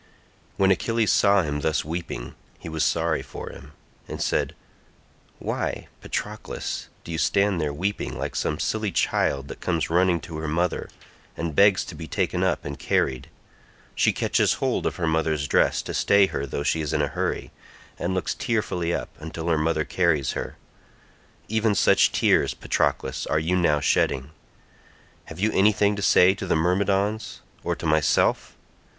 When Achilles saw him thus weeping he was sorry for him and said, "Why, Patroclus, do you stand there weeping like some silly child that comes running to her mother, and begs to be taken up and carried—she catches hold of her mother's dress to stay her though she is in a hurry, and looks tearfully up until her mother carries her—even such tears, Patroclus, are you now shedding. Have you anything to say to the Myrmidons or to myself?